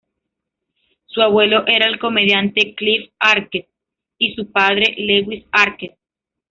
Su abuelo era el comediante Cliff Arquette y su padre Lewis Arquette.